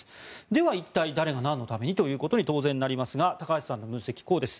では一体、誰が何のためにということに当然なりますが高橋さんの分析はこうです。